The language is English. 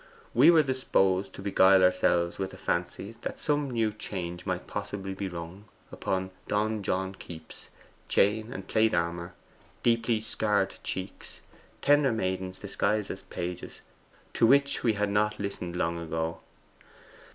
We were disposed to beguile ourselves with the fancy that some new change might possibly be rung upon donjon keeps, chain and plate armour, deeply scarred cheeks, tender maidens disguised as pages, to which we had not listened long ago."